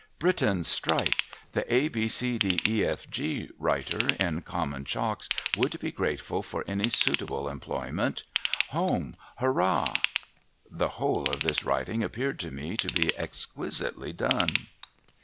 Britons Strike the A B C D E F G writer in common chalks would be grateful for any suitable employment Home! Hurrah !' The whole of this writing appeared to me to be ex([uisitely done.